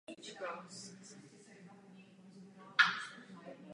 Diecéze zahrnuje severozápadní část Nového Jižního Walesu.